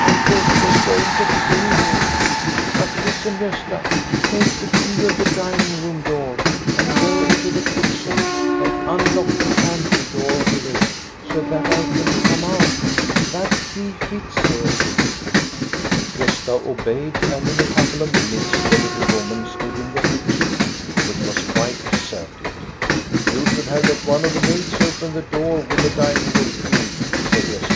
I thought he was going to kill me. But listen, Gosta, take the key of the dining room door, and go into the kitchen and unlock the pantry door with it, so that I can come out That key fits here." Gosta obeyed, and in a couple of minutes the little woman stood in the kitchen, which was quite deserted. " You should have let one of the maids open the door with the dining room key," said Gosta.